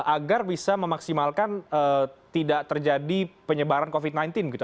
agar bisa memaksimalkan tidak terjadi penyebaran covid sembilan belas gitu